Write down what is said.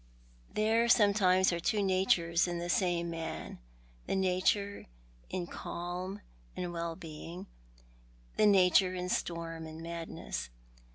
There sometimes arc two natures in the same man — the nature in calm and well being — the nature in storm and madness.